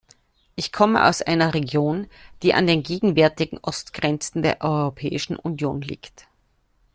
Ich komme aus einer Region, die an den gegenwärtigen Ostgrenzen der Europäischen Union liegt.